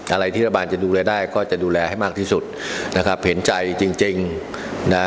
อะไรที่รัฐบาลจะดูแลได้ก็จะดูแลให้มากที่สุดนะครับเห็นใจจริงจริงนะ